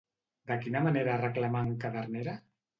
De quina manera reclama en Cadernera?